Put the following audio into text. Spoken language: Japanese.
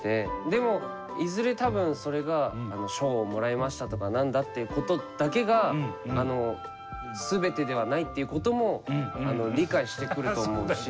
でもいずれたぶんそれが賞をもらいましたとか何だっていうことだけがすべてではないっていうことも理解してくると思うし。